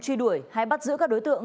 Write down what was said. truy đuổi hay bắt giữ các đối tượng